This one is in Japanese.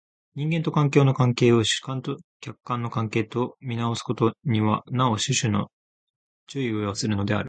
人間と環境の関係を主観と客観の関係と看做すことにはなお種々の注意を要するのである。